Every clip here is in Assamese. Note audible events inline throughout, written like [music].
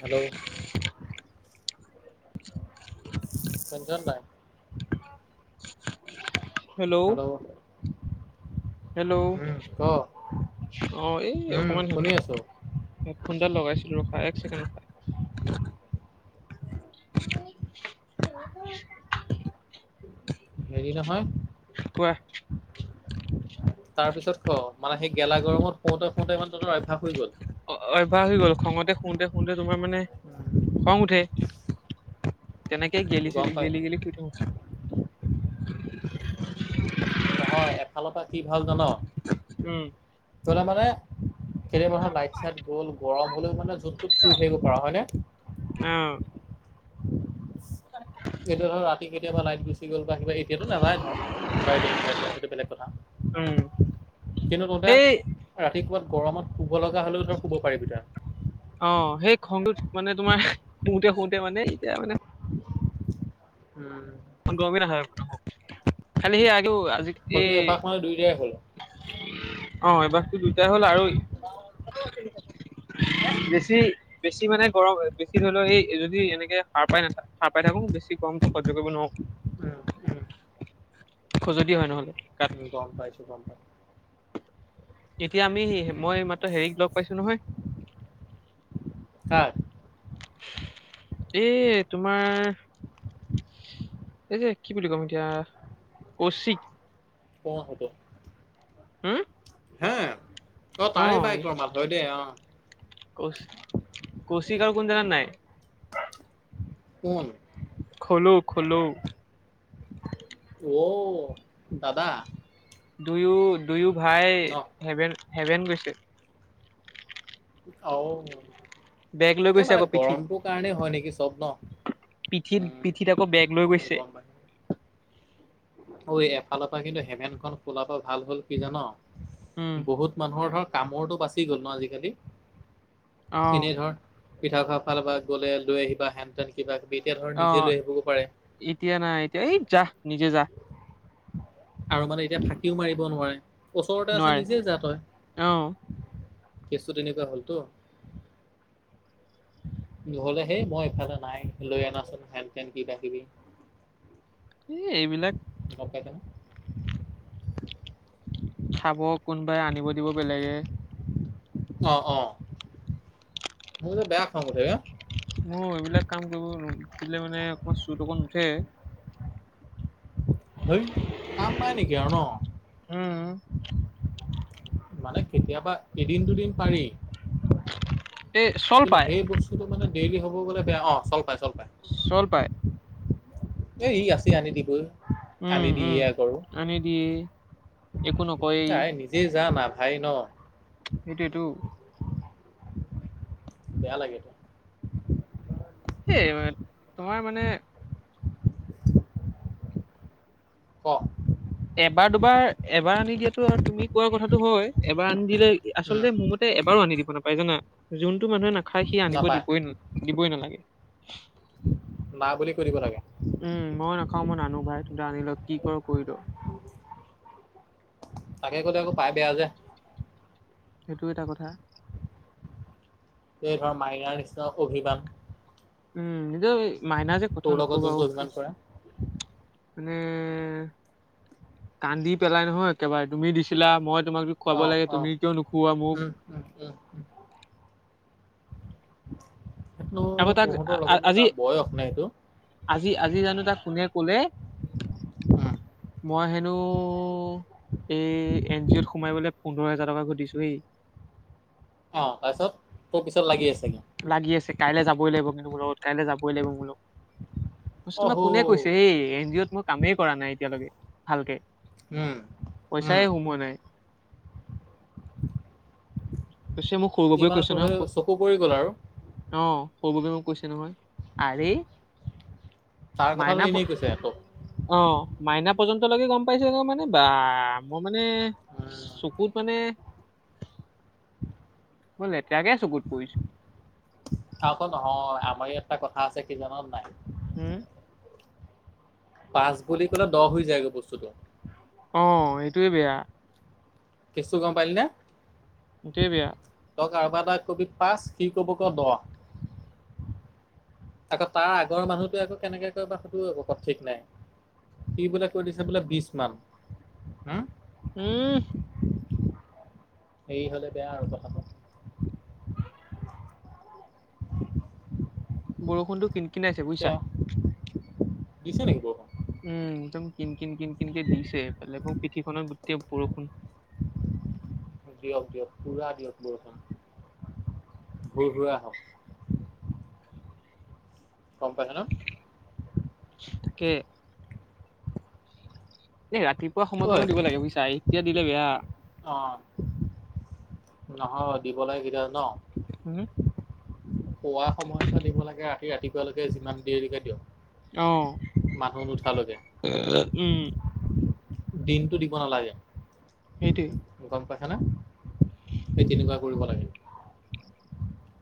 হেল্ল' তেঞ্চন নাই। হেল্ল' হেল্ল' উম ক অহ এই উম অকমান শুনি আছো হেডফোন ডাল লগাইছিলো ৰখা এক ছেকেণ্ড ৰখা। হেৰি নহয়। কোৱা? তাৰ পিছত খ মানে সেই গেলা গৰমত শুওঁতে শুওঁতে ইমান ততৰ অভ্যাস হৈ গ'ল। অ অভ্যাস হৈ গ'ল খঙতে শুওঁতে শুওঁতে তোমাৰ মানে খং উঠে। তেনেক গেলি গম চেলি পাই গেলি গেলি শুই থাকোং। নহয় এফালৰ পৰা কি ভাল জান, উম ধৰি ল মানে কেতিয়া মানুহৰ লাইট চাইট গ'ল গৰম হ'লেও মানে য'ত তত শুই থাকিব পৰা হয় নে? [unintelligible] এতিয়া ধৰ ৰাতি কেতিয়াবা লাইট গুচি গ'ল বাহি বাহিত সেইটো নাযায় ধৰ বাইট ইনভাৰটাৰ সেইটো বেলেগ কথা। উম কিন্তু তহঁতে সেই ৰাতি ক'বাত গৰমত শুব লগা হলেও তই শুব পাৰিবি তই। অ সেই খংটোত মানে তোমাৰ শুওঁতে শুওঁতে মানে এতিয়া মানে উম। গমি নাহে এপটো খালি সি আৰু আজি এ নহয় দুয়োটাই হ'ল অ অভ্যাসটো দুয়টাই হ'ল আৰু [unintelligible] [unintelligible] বেছি বেছি মানে গৰম বেছি ধৰি লও এই যদি এনেকে সাৰ পাই নাথ সাৰ পাই থাকো বেছি গৰমটো সহ্য কৰিব নোৱাও। উম উম। খজুতি হয় নহ'লে। উম গম পাইছো গম পাইছো। এতিয়া আমি মই মাত্ৰ হেৰিক লগ পাইছো নহয়। কাক? এ তোমাৰ এই যে কি বুলি কম এতিয়া কৌশিক কোন সেটো- হম হে অ' তাৰে বাইকৰ মাত হয় দেই অ'। কৌশিক কোন জানা নাই। কোন। খোলো খোলো। অ, দাদা। দুয়ো দুয়ো ভাই ন হেভেন, হেভেন গৈছে। অ বেগ লৈ এ গৈছে মানে আকৌ পিঠিত গৰমটো কাৰণেই হয় নেকি চব ন। পিঠিত, উম পিঠিত আকৌ বেগ লৈ গৈছে। গম পাইছো ঐ এফালৰ পৰা কিন্তু হেভেনখন খোলা পা ভাল হ'ল কি জান? উম বহুত মানুহৰ ধৰ কামুৰটো বাচি গ'ল ন আজিকালি। অ এনেধৰ পিঠাখোৱা ফালৰ পৰা গ'লে লৈ আহিবা হেনটেন। কিবা কিবি এতিয়া ধৰ অ নিজে লৈ আহিব পাৰে। এতিয়া নাই এতিয়া এই যা নিজে যা। আৰু মানে এতিয়া ফাঁকিও মাৰিব নোৱাৰে ওচৰতে আছে নোৱাৰে নিজে যা তই। অ কেচটো তেনেকুৱা হ'ল তু। হ'লে হে মই এফালে নাই লৈ অনাচোন হেন চেন কিবা কিবি। [inaudible] এই এইবিলাক। গম পাই যাম। খাব কোনোবাই আনিব দিব বেলেগে। অহ অ' মই এ বেয়া খঙ উঠে। মোৰ এইবিলাক কাম কৰিব দিলে মানে অকমান চুৰত অকত উঠে। হেই কাম নাই নেকি আৰু ন? উম। মানে কেতিয়াবা এদিন দুদিন পাৰি, এই চল কিন্তু পায় সেই বস্তু মানে ডেইলি হব গলে বেয়া অ, চল পাই চল পাই। চল পাই। এ ই আছেই আনি দিবই। উম, আনি উম দিয়ে কৰো আনি দিয়ে একো নকয়। নিজে জানা ভাই ন। সেইটোৱেটো। বেয়া লাগে। এ তোমাৰ মানে ক। এবাৰ, দুবাৰ, এবাৰ আনি দিয়াতো আৰু তুমি কোৱাৰ কথাটো হয়, এবাৰ আনি দিলে উম আচলতে মোৰ মতে এবাৰো আনি দিব নাপায় জানা? যোনতটো মানুহে নাখায় সি আনিব নাপায় দিবই দিবই নালাগে। না বুলি কৈ দিব লাগে। উম মই নাখাও মই নানো ভাই, তহঁতে আনি ল কি কৰ কৰিল। তাকে কলে আকৌ পাই বেয়া যে। সেইটো এটা কথা। এই ধৰ মাইনাৰ নিচিনা অভিমান উম, নিজৰ মাইনা যে তোৰ কথা লগত নকবা যোনটো অভিমান আৰু কৰে মানে কান্দি পেলাই নহয় একেবাৰে তুমি দিছিলা মই তোমাকতো খুৱাব লাগে তুমি কিয় নুখুওৱা মোক। [unintelligible] সেইটো আকৌ তাক তহঁতৰ লগতো আজি তাৰ বয়স নে এইটো। আজি আজি জানো তাক কোনে কলে মই হেনো এই এন জি অত সোমাই বোলে পোন্ধৰ হোজাৰ টকা ঘটিছো হেই। অ, তাৰছত তোৰ পিছত লাগি আছে সি? লাগি আছে কাইলে যাবই লাগিব কিন্তু মোৰ লগত কাইলে যাব যাবই লাগিব মোৰ লগত মই কৈছোঁ তোমাক অহো কোনে কৈছে এই ইন অ ত মই কামেই কৰা নাই এতিয়ালৈকে ভালকে। উম, উম পইচাই সোমোৱা নাই। কৈছে মোক সৰু ই বাবুই মানে কৈছে তোৰ নহয় সেই খুব চকু পৰি গ'ল আৰু অ, সৰু বাবুৱে মোক কৈছে নহয়। আৰে তাৰ কথাটো মাইনা প এনেই কৈছে তোক অ, মাইনা পৰ্যন্তলৈকে গম পাইছে গৈ মানে বা মই মানে উম চকুত মানে [inaudible] মই লেতেৰাকে চকুত পৰিছোঁ। আকৌ নহয় আমাৰ ইয়াত এটা কথা আছে কি জাননে নাই উম, পাঁচ বুলি ক'লে দহ হৈ যায়গৈ বস্তুটো। অ, এইটোয়ে বেয়া। কেছটো গম পালি নে? এইটোৱেই বেয়া। তই কাৰোবাৰ তাত কবি পাঁচ সি ক'ব ক দহ। আকৌ তাৰ আগৰ মানুহটোৱে আকৌ কেনেকে কয় কথটো [unintelligible] একো ঠিক নাই। সি বোলে কৈ দিছে বোলে বিচ মান উম, উম, হেৰি হলে বেয়া আৰু কথাটো। [inaudible] বৰষুণটো কেনি এতিয়া দিছে নেকি বৰষুণ? উম, একদম কিন- কিন-কিন কিনকে দিছে বেলেগ সৌ পিঠিখনত গোটেই বৰষুণ। দিয়ক- দিয়ক পুৰা দিয়ক বৰষুণ হুৰ - হুৰা আহক। গম পাইছা ন? তাকে। এ ৰাতিপুৱা ঐ সময়কণো দিব লাগে বুইছা এতিয়া দিলে বেয়া। অ', নহয় দিব লাগে কেতিয়া যান উম পুৱা সময়ৰ পা দিব লাগে ৰাতি- ৰাতিপুৱালৈকে যিমান দেৰিকে দিয়ক। অ, মানুহ নুঠালৈকে [unintelligible] উম, দিনটো দিব নালাগে। সেইটোৱে। গম পাইছে না সেই তেনেকুৱা কৰিব লাগে।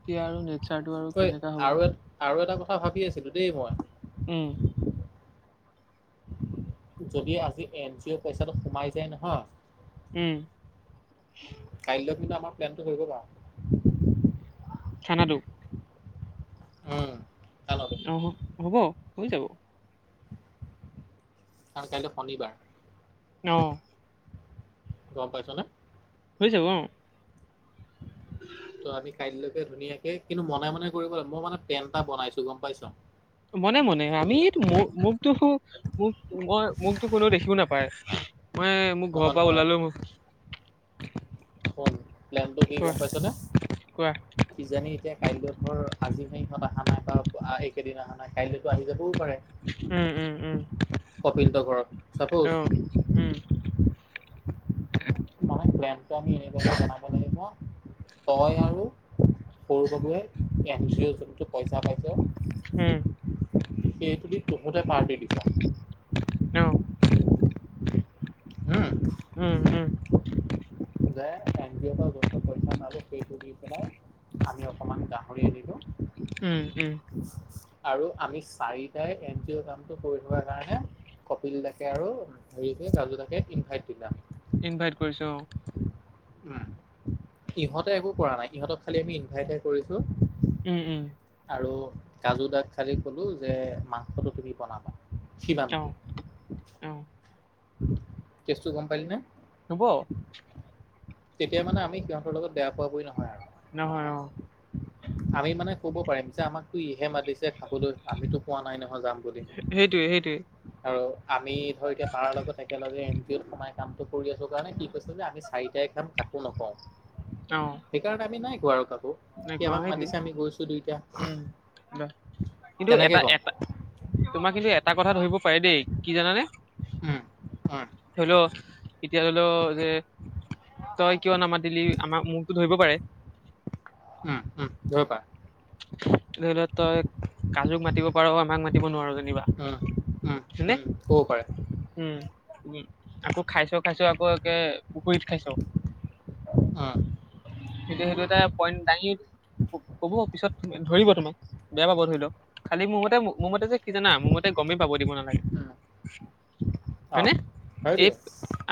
এতিয়া আৰু নেচাৰটো আৰু ঐ কেনেকা আৰু হ'ব। এ আৰু এটা কথা ভাবি আছিলোঁ দেই মই উম, যদি আজি এন জি অ'ৰ পইচাটো সোমাই যায় নহয় উম, কাইলৈ কিন্তু আমাৰ প্লেনটো হৈ হেৰি [unintelligible] খানাতো? উম, কাইলৈতো অ, হ'ব হৈ যাব। কাৰণ কাইলে শনিবাৰ। ন' গম পাইছ নে? হৈ যাব অ [inaudible] ত' আমি কাইলৈকে ধুনীয়াকে কিন্তু মনে মনে কৰিব লাগে মই মানে প্লেন এটা বনাইছো গম পাইছ মনে মনে শুনি আমি ল এটো মোৰ মোক মোকতো হো মোক মই মোকতো কোনেও দেখিও নাপায় মই মোক ঘৰৰ নহয় পৰা নহয় ওলালো মোক শুন প্লেনটো কি কোৱা গম পাইছনে কোৱা কিজানি এতিয়া কাইলৈ ধৰ আজি হেইহঁত অহা নাই বা এইকেইদিন অহা নাই কাইলৈতো আহি যাবও পাৰে উম উম উম কপিলহেত ঘৰত অ চাপোজ উম মানে প্লেনটো আমি এনেদৰে বনাব লাগিব তই আৰু সৰু বাবুৱে এন জিঅ যোনটো পইচা পাইছে উম সেইটো দি টোহতে পাৰ্টি দিছ অ উম উম উম যাই এন জিঅ পা বছ পইছা মালো সেই সুদি পেলাই আমি অকমান গাহৰি আনিলো উম উম আৰু আমি চাৰিটাই এন জি অ কামটো কৰি থকা কাৰণে কপিল দাকে আৰু হেৰিক ৰাজু দাকে ইনভাইট দিবা ইনভাইট কৰিছো অ উম ইহঁতে একো কৰা নাই ইহঁতক খালি আমি ইনভাইটহে কৰিছো উম উম আৰু কাজু দাগ খালি কলো যে মাংসটো তুমি বনাবা সিমান অ কি অ কেছটো গম পালি নে? হ'ব তেতিয়া মানে আমি সিহঁতৰ লগত বেয়া পোৱা পুৰি নহয় আৰু নহয় অ আমি মানে কব পাৰিম যে আমাকতো ইহে মাতিছে খাবলৈ আমিতো কোৱা নাই নহয় যাম বুলি সেইটোৱে সেইটোৱে আৰু আমি ধৰ এতিয়া তাৰ লগত একেলগে এন জিঅ'ত সোমাই কামটো কৰি আছো কাৰণে কি কৈছে যে আমি চাৰিটাই খাম কাকো নকওঁ [inaudible] অ সেইকাৰণে আমি নাই কোৱা আৰু কাকো নাই সি কোৱা আমাক মাতিছে আমি গৈছো দুইটা সেইটোৱে উম কিন্তু কেনেকে এটা ক'ম এটা তোমাক কিন্তু এটা কথা ধৰিব পাৰে দেই কি জানানে উম অ ধৰি ল এতিয়া ধৰি ল যে তই কিয় নামাতিলি আমাৰ মোকটো ধৰিব পাৰে উম উম ধৰিব পাৰে ধৰি ল তই কাজুক মাতিব পাৰ আমাক মাতিব নোৱাৰো যেনিবা উম উম হয়নে উম হ'ব পাৰে উম উম আকৌ খাইছ খাইছ আকৌ একে পুখুৰীত খাইছ। উম সেইটো সেইটো এটা পইণ্ট দাঙি কব পিছত ধৰিব তোমাক বেয়া পাব ধৰি লওক খালি মোৰ মতে মোৰ মতে যে কি জানা মোৰ মতে গমেই পাব দিব নালাগে উম অ হয়নে এই সেইটোৱে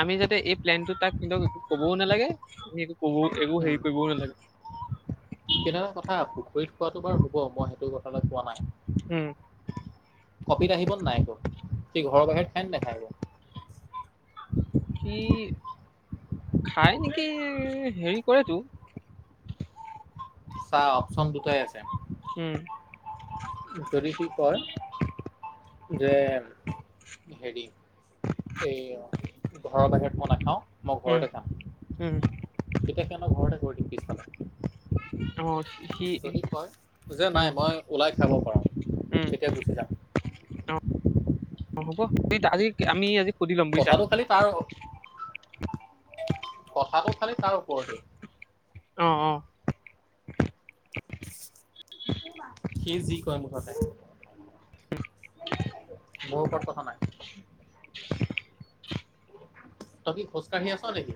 আমি যাতে এই প্লেনটো তাক কোনেও একো কবও নালাগে আমি একো কবও একো হেৰি উম কৰিবও নালাগে কিন্তু এটা কথা পুখুৰীত খোৱাটো বাৰু হ'ব মই সেইটো কথালৈ কোৱা নাই উম কফিত আহিব ন নাই আকৌ সি ঘৰৰ বাহিৰত খাই নে নেখাই বাও সি খাই নেকি হেৰি কৰেতো চা অপশন দুটাই আছে উম যদি সি কয় যে হেৰি এই অ ঘৰৰ বাহিৰত মই নাখাও মই উম ঘৰতে খাম উম তেতিয়া সেতৰ ঘৰতে কৰি দিম পিছফালে অ সি যদি কয় যে নাই উম মই ওলাই খাব পাৰ উম তেতিয়া গুচি যাম অ হ'ব আজি আমি আজি সুধি ল'ম বুজিছা কথাটো খালি তাৰ কথাটো খালি তাৰ ওপৰতে অ অ সি যি কয় মুঠতে মোৰ ওপৰত কথা নাই তই কি খোজকাঢ়ি আছ নেকি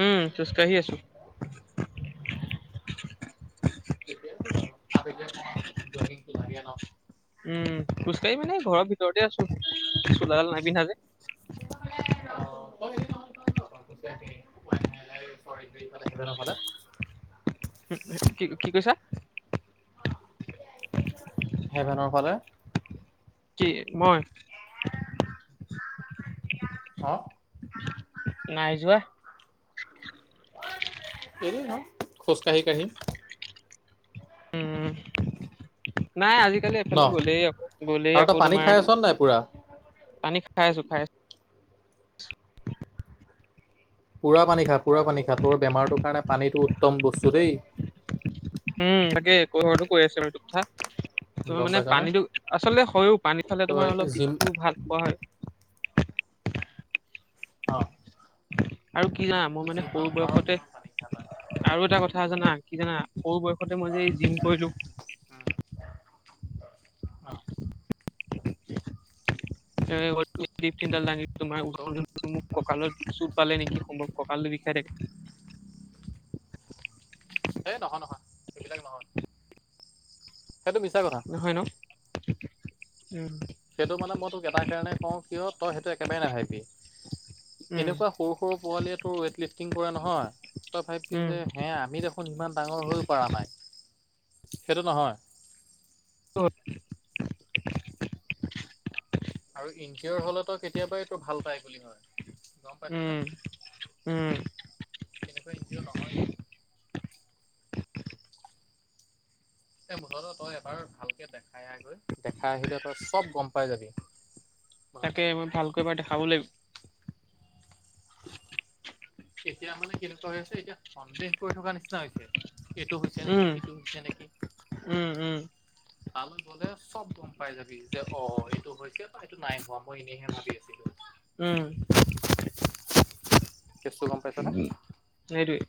উম খোজ কাঢ়ি আছো। [unintelligible] ঠিকেই আছে বাৰু আবেলি অকমান জগিংটো লাগে ন। উম খোজ কাঢ়ি মানে ঘৰৰ ভিতৰতে আছো চোলাডাল নাপিন্ধা যে আকৌ বোলে [unintelligible] [unintelligible] কি কি কৈছা হেভেনৰ ফালে কি মই অ নাই যোৱা এনেই ন খোজ কাঢ়ি কাঢ়ি উম নাই আজি সিফালে ন এইফালে গ'লেই আকৌ গ'লেই আৰু তই আকৌ পানী তোমাৰ খাই আছ নাই পুৰা পানি খাই আছো খাই আছো পুৰা পানী খা পুৰা পানী খা তোৰ বেমাৰটোৰ কাৰণে পানীটো উত্তম বস্তু দেই উম তাকে ঘৰতো কৈ আছো বাৰু এইটো কথা তোমাৰ গম মানে পাইছনে পানীটো আচলতে হয়ও পানী খালে তই তোমাৰ অলপ জিম বিষটো ভাল পোৱা হয় অ আৰু কি জানা মোৰ মানে যিমান সৰু পাৰ বয়সতে সিমান পানী খা তই আৰু এটা কথা জানা কি জানা সৰু বয়সতে মই যে জিম কৰিলো উম অ [unintelligible] তোমাৰ ত' মোক কঁকালৰ দুখ চুত পালে নেকি সম্ভৱ ককালটো বিষাই থাকে হেই নহয় নহয় সেইবিলাক নহয় সেইটো মিছা কথা নহয় ন উম সেইটো মানে মই তোক এটা কাৰণে কও কিয় তই সেইটো একেবাৰে নাভাবিবি উম এনেকোৱা সৰু সৰু পোৱালীয়ে তোৰ ৱেইট লিফ্টিং কৰা নহয় তই ভাবিবি উম যে হে আমি দেখোন সিমান ডাঙৰ হৈ পৰা নাই সেইটো নহয় ক'ত আৰু ইনজিঅৰ হলেতো কেতিয়াবা এইটো ভাল পাই বুলি হয় গম পাইছনে উম উম তেনেকুৱা ইঞ্জিঅৰ নহয় এইটো। এ মুঠতে তই এবাৰ ভালকে দেখাই আহগৈ দেখাই আহিলে তই চব গম পাই যাবি। [inaudible] তাকে মই ভালকৈ এবাৰ দেখাব লাগিব। এতিয়া মানে কেনেকুৱা হৈ আছে এতিয়া সন্দেহ কৰি থকা নিচিনা হৈছে। এইটো হৈছে নেকি উম সিটো হৈছে নেকি উম উম তালৈ গলেচ চব গম পাই যাবি যে অ, এইটো হৈছে বা এইটো নাই হোৱা মই এনেইহে ভাবি আছিলোঁ। উম, কেচটো গম পাইছনে? ত'সেইটোৱে।